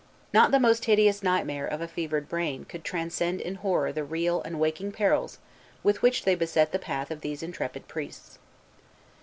Not the most hideous nightmare of a fevered brain could transcend in horror the real and waking perils with which they beset the path of these intrepid priests.